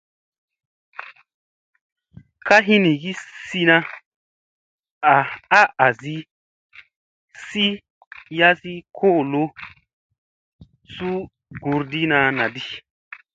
Ka hinigi sina a asi sii yasi kolo ko suu gurɗiina naa di.